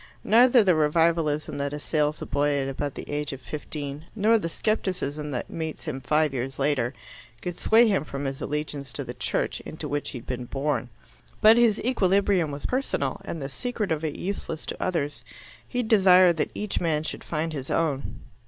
Neither the Revivalism that assails a boy at about the age of fifteen, nor the scepticism that meets him five years later, could sway him from his allegiance to the church into which he had been born. But his equilibrium was personal, and the secret of it useless to others. He desired that each man should find his own.